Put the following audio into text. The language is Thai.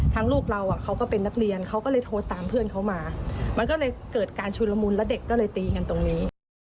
ลูกเราเขาก็เป็นนักเรียนเขาก็เลยโทรตามเพื่อนเขามามันก็เลยเกิดการชุนละมุนแล้วเด็กก็เลยตีกันตรงนี้